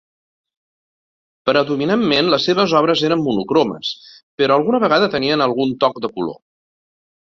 Predominantment, les seves obres eren monocromes, però alguna vegada tenien algun toc de color.